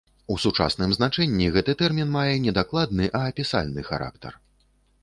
У сучасным значэнні гэты тэрмін мае не дакладны, а апісальны характар.